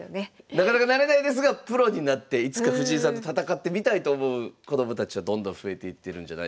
なかなかなれないですがプロになっていつか藤井さんと戦ってみたいと思う子どもたちはどんどん増えていってるんじゃないでしょうか。